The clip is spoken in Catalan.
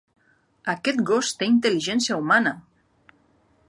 Aquest gos té intel·ligència humana!